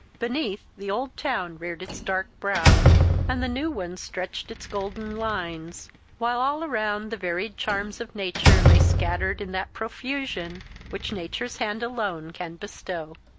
Beneath, the old town reared its dark brow, and the new one stretched its golden lines; while all around the varied charms of nature lay scattered in that profusion which nature's hand alone can bestow.